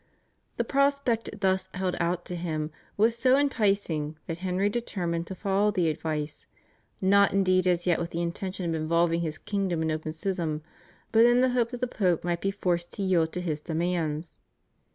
The prospect thus held out to him was so enticing that Henry determined to follow the advice, not indeed as yet with the intention of involving his kingdom in open schism, but in the hope that the Pope might be forced to yield to his demands.